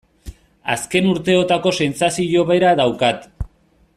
Azken urteotako sentsazio bera daukat.